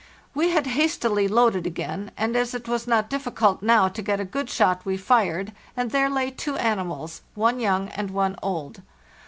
We had hastily loaded again, and as it was not difficult now to get a good shot we fired, and there lay two animals, one young and one old.